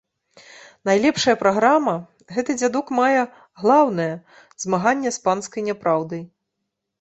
Найлепшая праграма…» — гэты дзядок мае глаўнае: змаганне з панскай няпраўдай.